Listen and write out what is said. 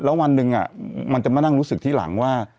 แล้ววันหนึ่งมันจะมานั่งรู้สึกที่หลังว่า